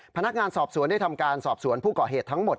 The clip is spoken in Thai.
พนักงานสอบสวนได้ทำการสอบสวนผู้ก่อเหตุทั้งหมด